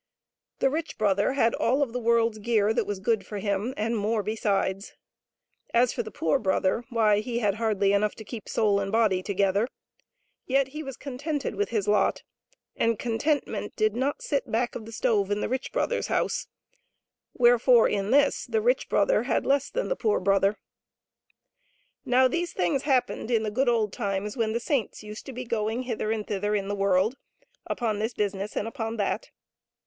The rich brother had all of the world's gear that was good for him and more besides ; as for the poor brother, why, he had hardly enough to keep soul and body together, yet he was contented with his lot, and contentment did not sit back of the stove in the rich brother's house ; wherefore in this the rich brother had less than the poor brother. Now these things happened in the good old times when the saints used to be going hither and thither in the world upon this business and upon that.